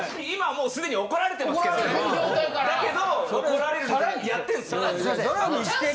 今もう既に怒られてますけどね。